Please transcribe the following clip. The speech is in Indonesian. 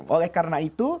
oleh karena itu